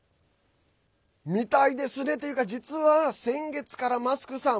みたいですねっていうか実は先月からマスクさん